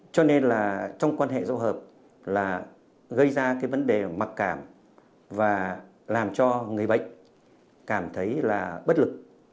cho nên là trong quan hệ giao hợp là gây ra cái vấn đề mặc cảm và làm cho người bệnh cảm thấy là bất lực